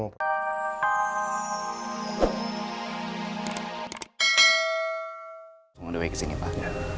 udah baik baik sini pak